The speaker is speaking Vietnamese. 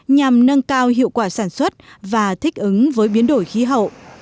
nhằm nâng cao hiệu quả sản xuất và thích ứng với biến đổi khí hậu